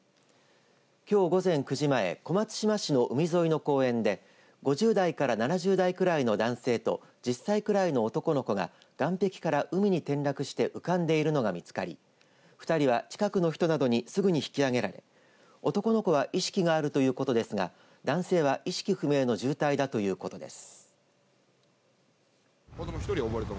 きょう午前９時前小松島市の海沿いの公園で５０代から７０代くらいの男性と１０歳くらいの男の子が岸璧から海に転落して浮かんでいるのが見つかり２人は近くの人などにすぐに引き揚げられ、男の子は意識があるということですが男性は意識不明の重体だということです。